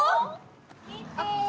見て。